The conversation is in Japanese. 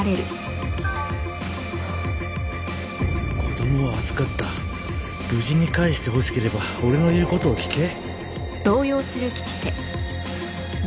「子供は預かった」「無事に返して欲しければ俺の言うことを聞け」！？